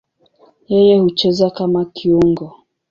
Yeye hucheza kama kiungo.